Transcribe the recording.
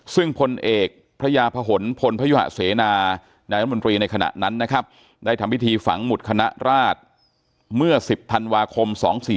ซึ่งพลเอกพระยาพหนพลพยุหะเสนานายรัฐมนตรีในขณะนั้นนะครับได้ทำพิธีฝังหุดคณะราชเมื่อ๑๐ธันวาคม๒๔๔